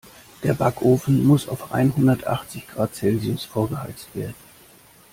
Der Backofen muss auf einhundertachzig Grad Celsius vorgeheizt werden.